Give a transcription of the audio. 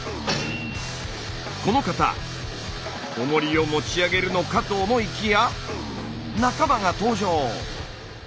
この方おもりを持ち上げるのかと思いきや仲間が登場。